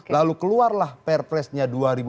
lalu keluarlah perpresnya dua ribu enam belas